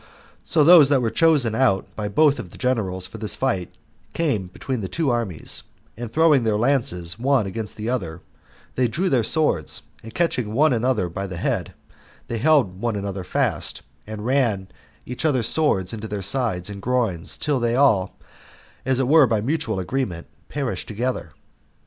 So those that were chosen out by both the generals for this fight came between the two armies, and throwing their lances one against the other, they drew their swords, and catching one another by the head, they held one another fast, and ran each other's swords into their sides and groins, until they all, as it were by mutual agreement, perished together.